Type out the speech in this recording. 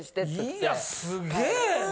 いやすげえな！